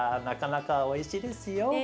なかなかおいしいですよ。